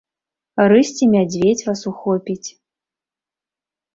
Рысь ці мядзведзь вас ухопіць?